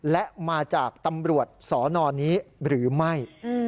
และมาจากตำรวจสนนี้หรือไม่